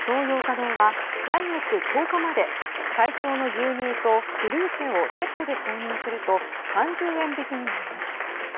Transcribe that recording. ヨーカドーは来月１０日まで対象の牛乳とフルーチェをセットで購入すると３０円引きになります。